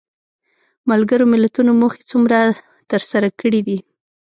ملګرو ملتونو موخې څومره تر سره کړې دي؟